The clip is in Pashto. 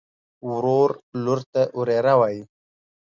ورور لور ته وريره وايي.